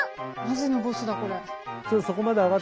マジのボスだこれ。